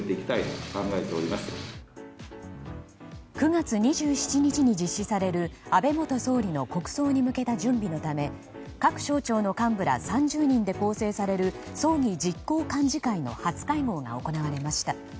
９月２７日に実施される安倍元総理の国葬に向けた準備のため各省庁の幹部ら３０人で構成される葬儀実行幹事会の初会合が行われました。